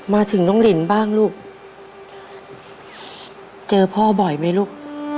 มาถึงน้องลินบ้างลูกเจอพ่อบ่อยไหมลูก